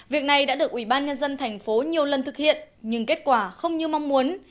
việc này đã được ủy ban nhân dân thành phố nhiều lần thực hiện nhưng kết quả không như mong muốn